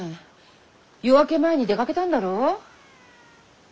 夜明け前に出かけたんだろう？